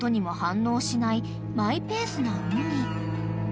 ［マイペースなうに］